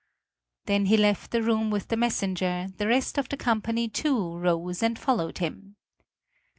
Then he left the room with the messenger; the rest of the company too rose and followed him.